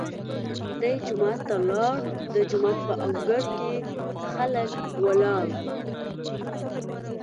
دی جومات ته لاړ، د جومات په انګړ کې خلک ولاړ.